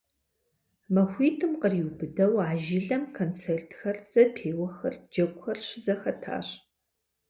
Махуитӏым къриубыдэу а жылэм концертхэр, зэпеуэхэр, джэгухэр щызэхэтащ.